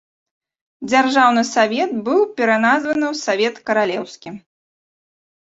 Дзяржаўны савет быў пераназваны ў савет каралеўскі.